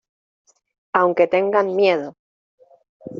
aunque tengan miedo.